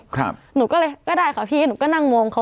หนูก็เลยก็ได้ค่ะพี่หนูก็นั่งมองเขา